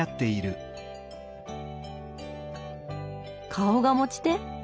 顔が持ち手？